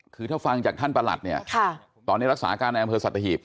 คือถ้าฟังจากท่านประหลัดเนี่ยตอนนี้รักษาการในอำเภอสัตหีบ